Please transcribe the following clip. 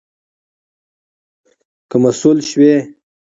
که مسؤول شوې